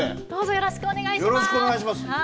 よろしくお願いします。